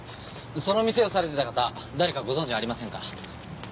その店をされてた方誰かご存じありませんか？